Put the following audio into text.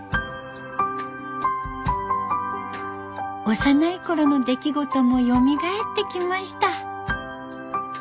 幼いころの出来事もよみがえってきました。